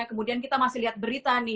kemudian kita masih lihat berita nih